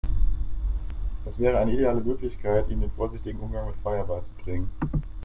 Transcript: Es wäre eine ideale Möglichkeit, ihnen den vorsichtigen Umgang mit Feuer beizubringen.